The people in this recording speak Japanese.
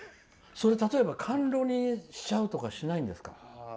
例えば甘露煮にしちゃうとかしないんですか。